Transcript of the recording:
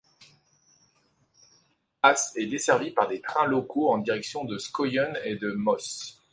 Ås est desservie par des trains locaux en direction de Skøyen et de Moss.